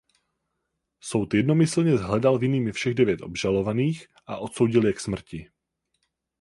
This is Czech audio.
Soud jednomyslně shledal vinnými všech devět obžalovaných a odsoudila je k smrti.